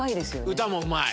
歌もうまい！